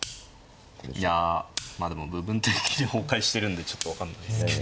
いやまあでも部分的に崩壊してるんでちょっと分かんないですけど。